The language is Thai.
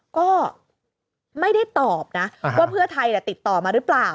ก็ไม่ได้ตอบนะว่าเพื่อไทยติดต่อมาหรือเปล่า